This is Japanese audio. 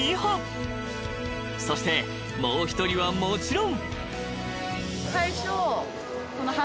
［そしてもう一人はもちろん］